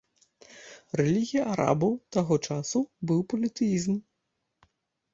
Рэлігія арабаў, таго часу, быў політэізм.